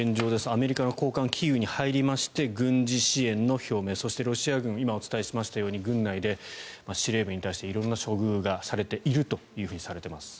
アメリカの高官がキーウに入りまして軍事支援の表明そしてロシア軍今、お伝えしましたように軍内で司令部に対して色んな処遇がされていると。